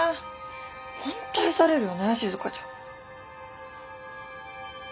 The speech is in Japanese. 本当愛されるよね静ちゃん。